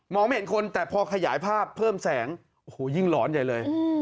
ไม่เห็นคนแต่พอขยายภาพเพิ่มแสงโอ้โหยิ่งหลอนใหญ่เลย